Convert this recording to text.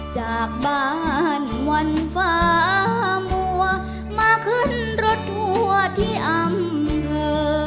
จากบ้านวันฟ้ามัวมาขึ้นรถทัวร์ที่อำเภอ